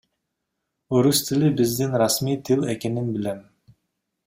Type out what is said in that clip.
Орус тили биздин расмий тил экенин билем.